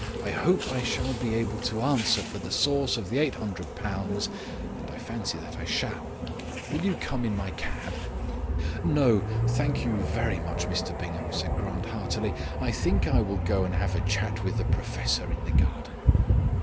"I hope I shall be able to answer for the source of the £800 and I fancy that I shall. Will you come in my cab?" "No, thank you very much, Mr Bingham," said Grant heartily. "I think I will go and have a chat with the professor in the garden."